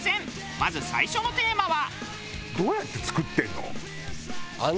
まず最初のテーマは。